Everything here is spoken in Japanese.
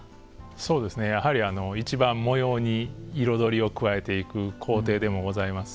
そうですねやはりいちばん模様に彩りを加えていく工程でもございます。